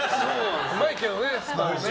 うまいけどね、スパム。